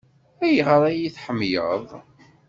Ayɣer ay iyi-tḥemmleḍ?